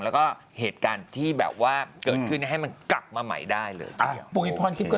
แล้วก็เหตุการณ์ที่แบบว่าเกิดขึ้นให้มันกลับมาใหม่ได้เลย